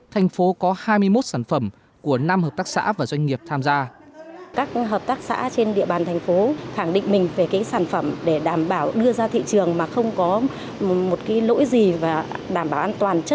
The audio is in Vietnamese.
thành phố có hai mươi một sản phẩm của năm hợp tác xã và doanh nghiệp tham gia